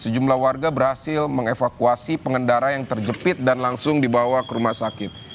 sejumlah warga berhasil mengevakuasi pengendara yang terjepit dan langsung dibawa ke rumah sakit